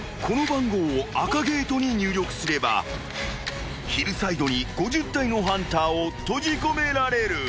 ［この番号を赤ゲートに入力すればヒルサイドに５０体のハンターを閉じ込められる］